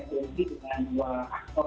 berhenti dengan dua aktor